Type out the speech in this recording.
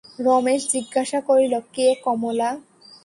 রমেশ জিজ্ঞাসা করিল, কে, কমলা?